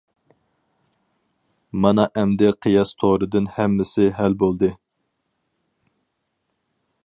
مانا ئەمدى قىياس تورىدىن ھەممىسى ھەل بولدى.